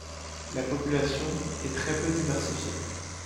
La population est très peu diversifiée.